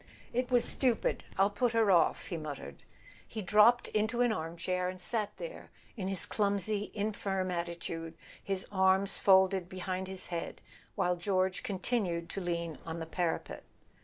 "It was stupid—I'll put her off," he muttered. He dropped into an armchair, and sat there, in his clumsy infirm attitude, his arms folded behind his head, while George continued to lean on the parapet.